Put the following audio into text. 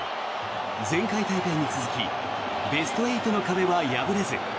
前回大会に続きベスト８の壁は破れず。